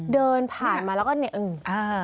เดินผ่านมาแล้วก็เนี่ยอึ่งอ่า